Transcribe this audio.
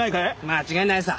間違いないさ。